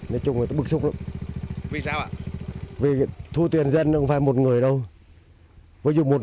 nói chung người ta bức xúc lắm vì sao ạ vì thu tiền dân nó không phải một người đâu với dù một